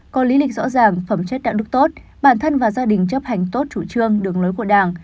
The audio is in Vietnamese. có lý lịch rõ ràng phẩm chất đạo đức tốt bản thân và gia đình chấp hành tốt chủ trương đường lối của đảng